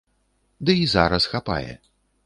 Ды і зараз хапае.